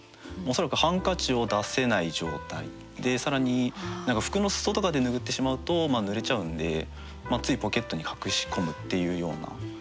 恐らくハンカチを出せない状態で更に何か服の裾とかで拭ってしまうとぬれちゃうんでついポケットに隠し込むっていうような。